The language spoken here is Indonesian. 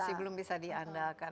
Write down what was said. masih belum bisa diandalkan